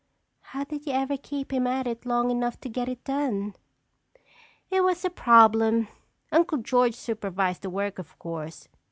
"How did you ever keep him at it long enough to get it done?" "It was a problem. Uncle George supervised the work, of course.